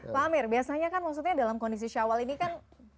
pak amir biasanya kan maksudnya dalam kondisi syawal ini kan